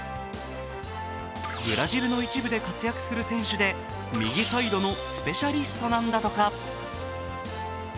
ブラジルの１部で活躍する選手で、右サイドのスペシャリストなんだとか。